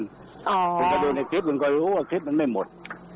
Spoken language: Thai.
คุณก็ดูในคลิปมันก็รู้ว่าคลิปมันไม่หมด